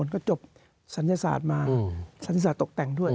จะจบศัลยศาสตร์ตกแต่งด้วย